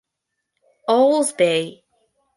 Owl’s Bay.